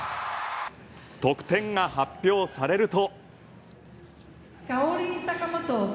得点が発表されると。